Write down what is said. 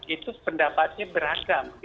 itu pendapatnya beragam